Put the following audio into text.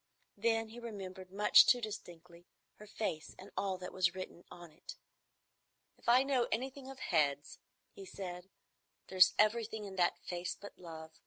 Then he remembered much too distinctly her face and all that was written on it. "If I know anything of heads," he said, "there's everything in that face but love.